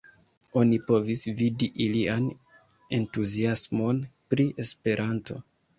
Oni povis vidi ilian entuziasmon pri Esperanto.